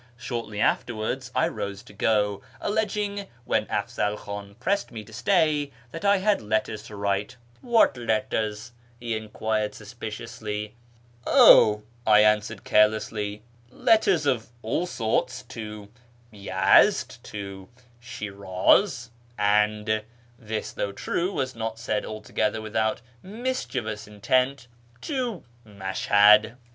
Shortly afterwards I rose to go, alleging, when jAfzal Khan pressed me to stay, that I had letters to write. " What letters ?" he enquired suspiciously. " Oh," I answered 29 4 so A YEAR AMONGST THE PERSIANS carelessly, "letters of all sorts, to Yezd, to Slifraz, and " (this, though true, was not said altogether without mischievous in tent) " to Mashhad."